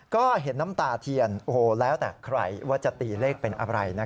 ก็เห็นน้ำตาเทียนโอ้โหแล้วแต่ใครว่าจะตีเลขเป็นอะไร